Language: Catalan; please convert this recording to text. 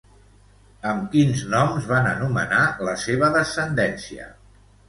Amb quins noms van anomenar la seva descendència?